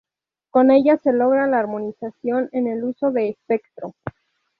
Con ellas se logra la armonización en el uso de espectro.